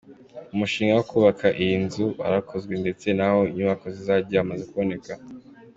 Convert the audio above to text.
Umushinga wo kubaka iyi nzu warakozwe ndetse n’aho inyubako zizajya hamaze kuboneka.